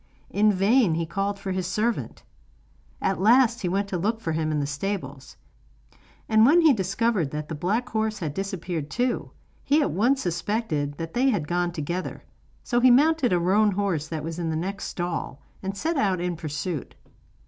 In vain he called for his servant. At last he went to look for him in the stables, and when he discovered that the black horse had disappeared too, he at once suspected that they had gone together; so he mounted a roan horse that was in the next stall, and set out in pursuit.